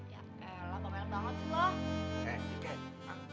ya elah bapak yang banget loh